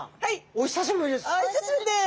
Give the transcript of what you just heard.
お久しぶりです。